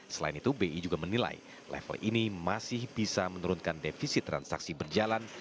selain itu bi juga menilai level ini masih bisa menurunkan defisit transaksi berjalan